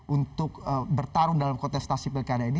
untuk bertarung dalam kontestasi pilkada ini